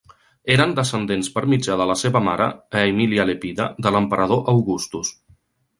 Eren descendents per mitjà de la seva mare, Aemilia Lepida, de l'emperador Augustus.